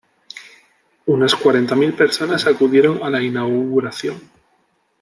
Unas cuarenta mil personas acudieron a la inauguración.